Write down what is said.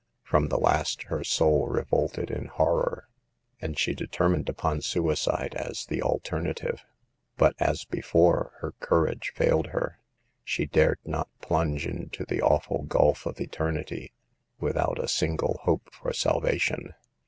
Prom the last her soul revolted in horror, and she determined upon suicide as the alternative. But, as before, her courage failed her. She dared not plunge into the awful gulf of eternity, without a single hope for salvation.